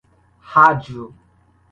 rádio